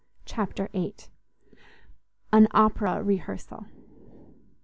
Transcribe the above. CHAPTER viii AN OPERA REHEARSAL.